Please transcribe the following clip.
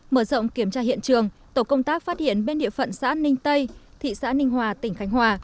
mở rộng kiểm tra hiện trường tổ công tác phát hiện bên địa phận xã ninh tây thị xã ninh hòa tỉnh khánh hòa